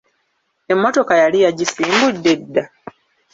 Emmotokka yali yagisimbudde dda?